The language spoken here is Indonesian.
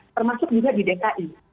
termasuk juga di dki